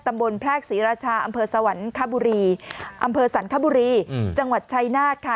แพรกศรีราชาอำเภอสวรรคบุรีอำเภอสันคบุรีจังหวัดชัยนาธค่ะ